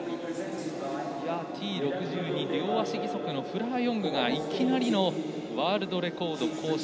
Ｔ６２両足義足のフラー・ヨングがいきなりのワールドレコード更新。